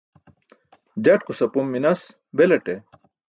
Jatkus apom minas belaṭe.